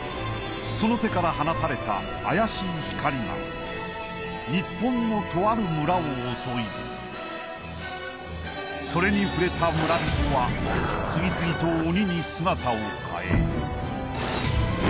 その手から放たれた怪しい光が日本のとある村を襲いそれに触れた村人は次々と鬼に姿を変え